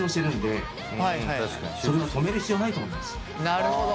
なるほど。